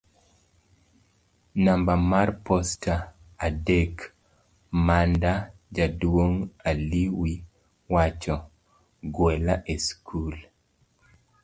namba mar posta adek Manda jaduong' Ali wi wach; gwela e skul